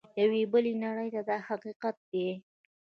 یوې بلې نړۍ ته دا حقیقت دی.